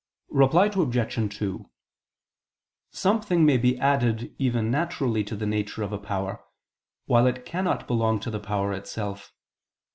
Reply Obj. 2: Something may be added even naturally to the nature of a power, while it cannot belong to the power itself.